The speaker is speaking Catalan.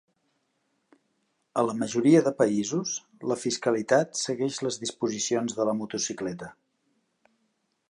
A la majoria de països, la fiscalitat segueix les disposicions de la motocicleta.